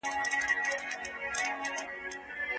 هغه ټولنه چې مشارکت پکې وي، انزوا نه ډېریږي.